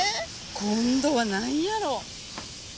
今度はなんやろ？